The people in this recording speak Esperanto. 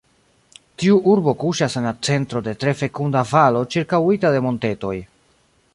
Tiu urbo kuŝas en la centro de tre fekunda valo ĉirkaŭita de montetoj.